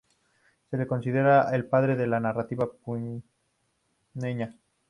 Se le considera el padre de la narrativa puneña.